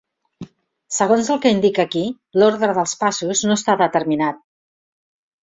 Segons el que indica aquí, l'ordre dels passos no està determinat.